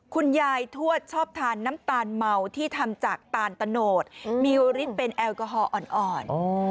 คุณยายทวดชอบทานน้ำตาลเมาที่ทำจากตาลตะโนดมีฤทธิ์เป็นแอลกอฮอลอ่อน